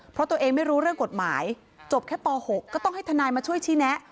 เพราะตัวเองไม่รู้เรื่องกฎหมายจบแค่ป๖ก็ต้องให้ทนายมาช่วยชี้แนะ